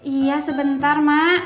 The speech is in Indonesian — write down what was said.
iya sebentar mak